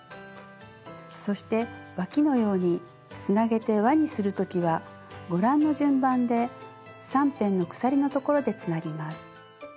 そしてわきのようにつなげて輪にする時はご覧の順番で３辺の鎖のところでつなぎます。